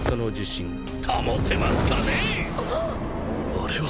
あれは！